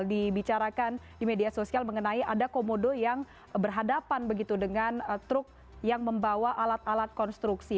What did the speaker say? dibicarakan di media sosial mengenai ada komodo yang berhadapan begitu dengan truk yang membawa alat alat konstruksi